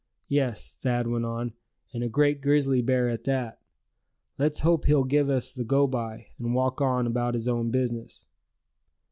"Yes," Thad went on, "and a great big grizzly bear at that. Let's hope he'll give us the go by, and walk on about his own business!"